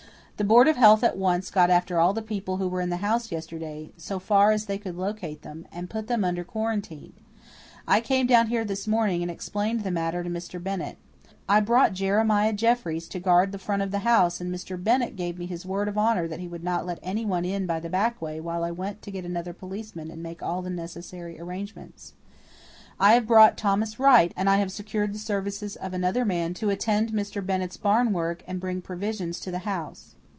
The Board of Health at once got after all the people who were in the house yesterday, so far as they could locate them, and put them under quarantine. I came down here this morning and explained the matter to Mr. Bennett. I brought Jeremiah Jeffries to guard the front of the house and Mr. Bennett gave me his word of honour that he would not let anyone in by the back way while I went to get another policeman and make all the necessary arrangements. I have brought Thomas Wright and have secured the services of another man to attend to Mr. Bennett's barn work and bring provisions to the house.